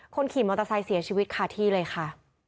คนขี่มอเตอร์ไซค์เสียชีวิตคาที่เลยค่ะ